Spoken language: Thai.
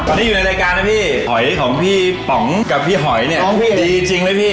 ตอนนี้อยู่ในรายการนะพี่หอยของพี่ป๋องกับพี่หอยเนี่ยดีจริงเลยพี่